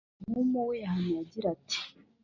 Nahumu we yahanuye agira ati: